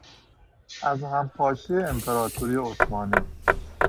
از هم پاشی امپراطوری عثمانی